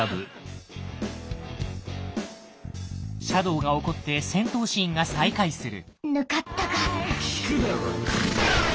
シャドウが怒って戦闘シーンが再開する。